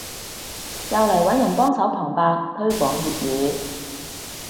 又嚟揾人幫手旁白推廣粵語